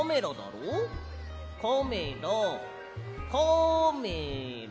カメラカメラ。